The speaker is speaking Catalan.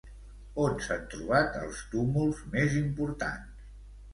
On s'han trobat els túmuls més importants?